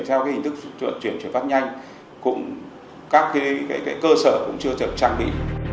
theo hình thức chuyển chuyển phát nhanh các cơ sở cũng chưa được trang bị